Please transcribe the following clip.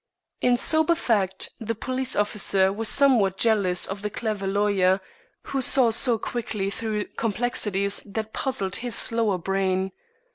In sober fact, the police officer was somewhat jealous of the clever lawyer, who saw so quickly through complexities that puzzled his slower brain.